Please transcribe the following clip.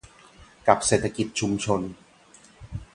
กับเศรษฐกิจชุมชน